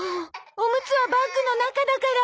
おむつはバッグの中だから。